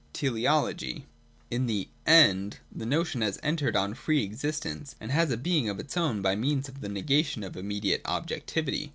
(c) Teleology. 204.] In the End the notion has entered on free existence and has a being of its own, by means of the negation of immediate objectivity.